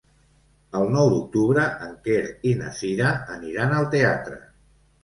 El nou d'octubre en Quer i na Cira aniran al teatre.